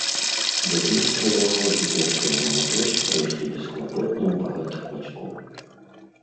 Дзяцінства яго і першая маладосць прайшлі бесклапотна ў багатых бацькоў.